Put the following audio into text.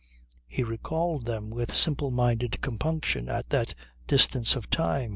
He recalled them with simple minded compunction at that distance of time.